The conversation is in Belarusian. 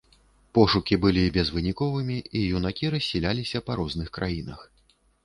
Пошукі былі безвыніковымі, і юнакі рассяліліся па розных краінах.